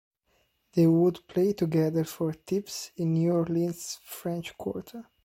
They would play together for tips in New Orleans' French Quarter.